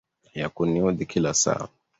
ya kuniudhi kila saa